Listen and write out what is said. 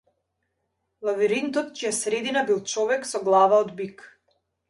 Лавиринтот чија средина бил човек со глава од бик.